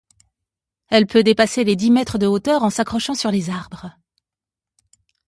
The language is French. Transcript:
Elle peut dépasser les dix mètres de hauteur en s'accrochant sur les arbres.